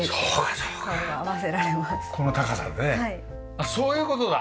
あっそういう事だ！